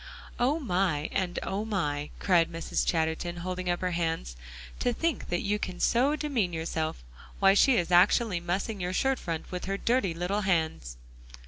"Oh, my, and Oh, my!" cried Mrs. Chatterton, holding up her hands, "to think that you can so demean yourself; why, she's actually mussing your shirt front with her dirty little hands!"